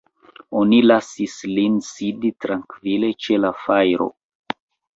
Oni lasis lin sidi trankvile ĉe la fajro.